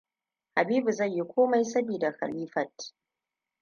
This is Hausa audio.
Habibua zai yi komai sabida Khalifat.